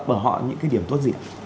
bởi họ những cái điểm tốt gì ạ